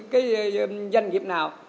cái doanh nghiệp nào